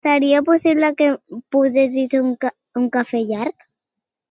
Seria possible que em posessis un cafè llarg?